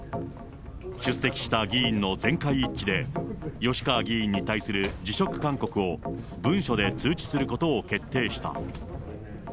出席した議員の全会一致で、吉川議員に対する辞職勧告を、文書で通知することを決定した。